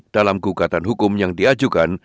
dalam gugatan hukum yang diajukan